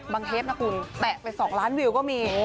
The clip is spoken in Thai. เทปนะคุณแตะไป๒ล้านวิวก็มี